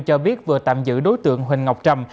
cho biết vừa tạm giữ đối tượng huỳnh ngọc trầm